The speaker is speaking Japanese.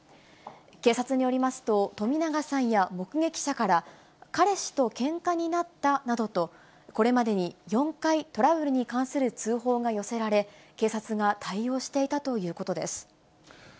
警察によりますと、冨永さんや目撃者から、彼氏とけんかになったなどと、これまでに４回、トラブルに関する通報が寄せられ、警察が対応していたということです。